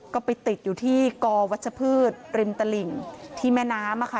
ก็ไปติดอยู่ที่กอวัชพืชริมตลิ่งที่แม่น้ำค่ะ